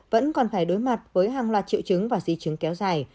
vẫn còn phải đối mặt với hàng loạt triệu chứng và di chứng kéo dài